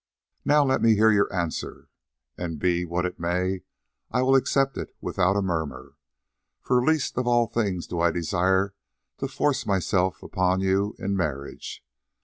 "Now let me hear your answer, and be it what it may, I will accept it without a murmur, for least of all things do I desire to force myself upon you in marriage.